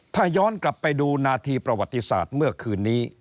ถ้าย้อนกลับไปดูนาทีประวัติศาสตร์เมื่อคืนนี้